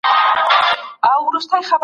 که يوې ميرمني خپله شپه خپلي بني ته هبه کړه.